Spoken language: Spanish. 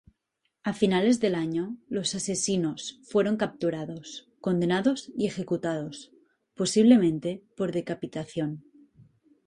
A finales del año, los asesinos fueron capturados, condenados y ejecutados, posiblemente por decapitación.